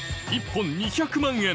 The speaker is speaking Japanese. １本２００万円